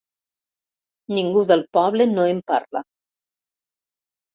Ningú del poble no em parla.